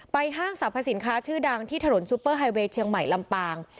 ห้างสรรพสินค้าชื่อดังที่ถนนซูเปอร์ไฮเวย์เชียงใหม่ลำปาง